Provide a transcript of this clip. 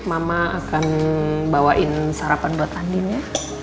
mama akan bawain sarapan buat andin ya